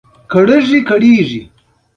الله تعالی یې خواست قبول کړ.